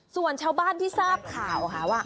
ส่วนชาวบ้านที่ทราบข่าวค่ะว่า